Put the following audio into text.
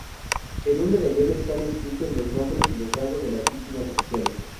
En un medallón están inscritos los nombres y los rangos de las víctimas oficiales.